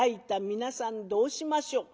「皆さんどうしましょう」。